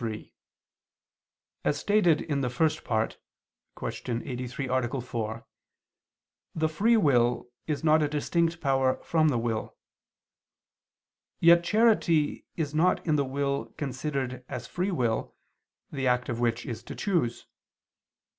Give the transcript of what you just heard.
3: As stated in the First Part (Q. 83, A. 4), the free will is not a distinct power from the will. Yet charity is not in the will considered as free will, the act of which is to choose.